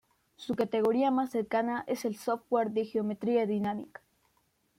Su categoría más cercana es software de geometría dinámica.